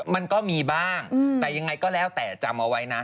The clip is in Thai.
มันก็มีบ้างแต่ยังไงก็แล้วแต่จำเอาไว้นะ